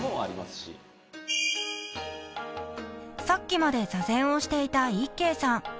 ［さっきまで座禅をしていた一慶さん］